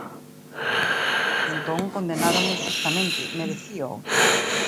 Entón condenáronme xustamente, merecíao.